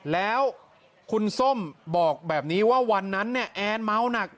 แล้วคุณส้มบอกแบบนี้ว่าวันนั้นเนี่ยแอนเมาหนัก